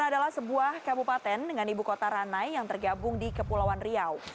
adalah sebuah kabupaten dengan ibu kota ranai yang tergabung di kepulauan riau